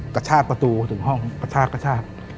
กระชาประตูถึงห้องกระชาป